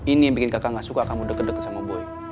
ini yang bikin kakak gak suka kamu deket deket sama boy